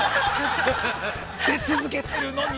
◆出続けてるのに？